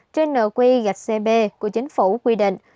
trên nợ quy gạch cb của chính phủ quy định